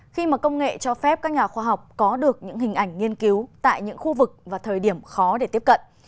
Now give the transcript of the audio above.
khi mà công nghệ cho phép các nhà khoa học có được những hình ảnh nghiên cứu tại những khu vực và thời điểm khó để tiếp cận